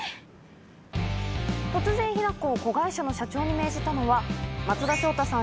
突然雛子を子会社の社長に命じたのは松田翔太さん